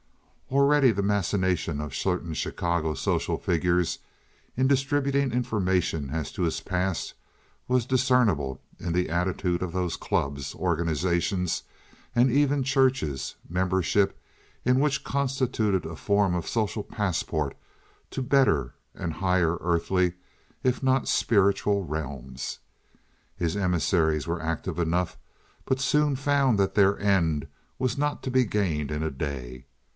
Already the machination of certain Chicago social figures in distributing information as to his past was discernible in the attitude of those clubs, organizations, and even churches, membership in which constitutes a form of social passport to better and higher earthly, if not spiritual, realms. His emissaries were active enough, but soon found that their end was not to be gained in a day.